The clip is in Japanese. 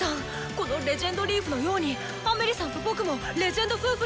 この『レジェンドリーフ』のようにアメリさんと僕も『レジェンド夫婦』になろう！」。